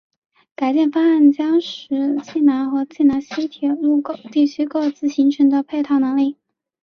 改建方案将使济南和济南西铁路地区各自形成配套能力。